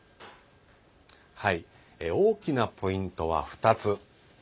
大きなポイントは２つ。